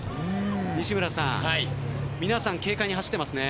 西村さん、皆さん軽快に走っていますね。